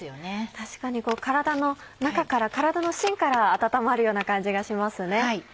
確かに体の中から体のしんから温まるような感じがしますね。